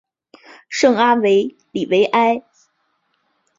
圣阿维里维埃。